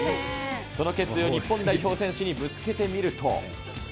その決意を日本代表選手にぶつけてみると。